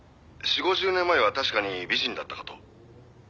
４０５０年前は確かに美人だったかと」